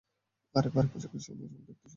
আরে ভাড়া পোশাকে সবসময় দেখতে সুন্দর লাগে।